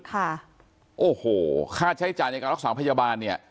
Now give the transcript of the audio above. ค่ะโอ้โหค่าใช้จ่ายในการรักษาพยาบาลเนี่ย